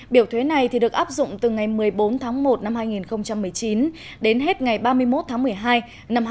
biểu thuế này được áp dụng từ ngày một mươi bốn tháng một năm hai nghìn một mươi chín đến hết ngày ba mươi một tháng một mươi hai năm hai nghìn hai mươi